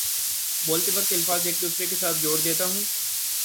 بولتے وقت الفاظ ایک دوسرے کے ساتھ جوڑ دیتا ہوں